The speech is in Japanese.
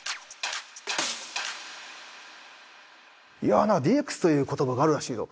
「いやなあＤＸという言葉があるらしいぞ。